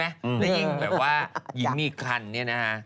และยิ่งแบบว่าหญิงมีคันเนี่ยนะฮะ